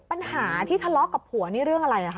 ปัญหาที่ทะเลาะกับผัวนี่เรื่องอะไรคะ